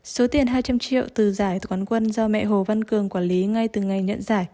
số tiền hai trăm linh triệu từ giải toán quân do mẹ hồ văn cường quản lý ngay từ ngày nhận giải